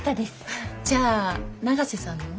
じゃあ永瀬さんの？